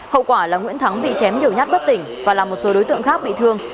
hậu quả là nguyễn thắng bị chém nhiều nhát bất tỉnh và làm một số đối tượng khác bị thương